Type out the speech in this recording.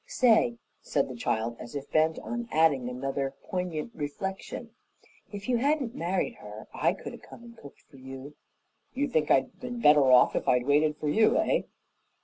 "Say," said the child, as if bent on adding another poignant reflection, "if you hadn't married her, I could 'a' come and cooked for you." "You think I'd been better off if I'd waited for you, eh?"